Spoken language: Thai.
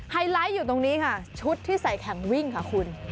ไลท์อยู่ตรงนี้ค่ะชุดที่ใส่แข่งวิ่งค่ะคุณ